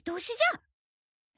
ん？